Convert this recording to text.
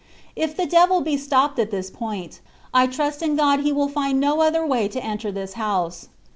If the devil be stop ped at this point, I trust in God he will find no other way to enter this house.